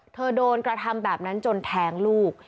โดนกระทำแบบนั้นจนแท้งลูก